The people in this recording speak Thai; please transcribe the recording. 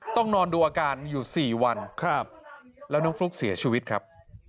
ต้องนอนดูอาการอยู่๔วันแล้วน้องฟลุ๊กเสียชีวิตครับ